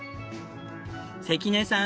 関根さん